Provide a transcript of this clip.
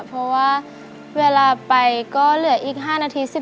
เพราะว่าเวลาไปก็เหลืออีก๕นาที